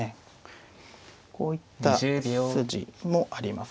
こういった筋もありますので。